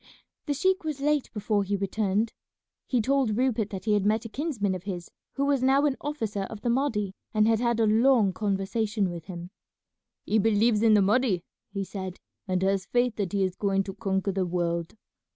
The sheik was late before he returned. He told Rupert that he had met a kinsman of his who was now an officer of the Mahdi, and had had a long conversation with him. "He believes in the Mahdi," he said, "and has faith that he is going to conquer the world.